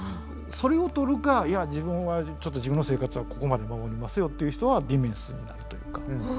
それを取るかいや自分はちょっと自分の生活はここまで守りますよっていう人はディメンスになるというか。